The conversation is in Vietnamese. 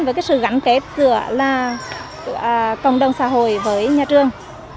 với cái sự gắn kết giữa là cộng đồng xã hội với nhà trường